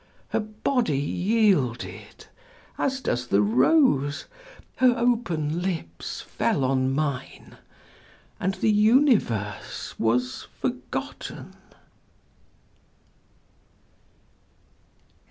Her body yielded, as does the rose, her open lips fell on mine, and the universe was forgotten.